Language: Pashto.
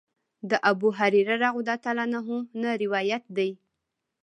د ابوهريره رضی الله عنه نه روايت دی :